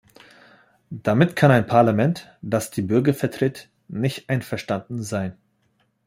Damit kann ein Parlament, das die Bürger vertritt, nicht einverstanden sein.